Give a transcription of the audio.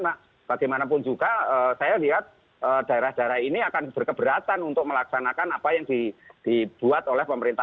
karena bagaimanapun juga saya lihat daerah daerah ini akan berkeberatan untuk melaksanakan apa yang dibuat oleh pemerintah